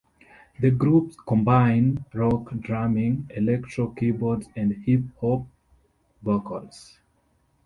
The group combines rock drumming, electro keyboards, and hip-hop vocals.